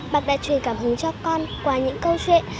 bác đã truyền cảm hứng cho con qua những câu chuyện